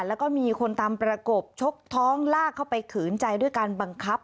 แล้วก็มีคนตามประกบชกท้องลากเข้าไปขืนใจด้วยการบังคับ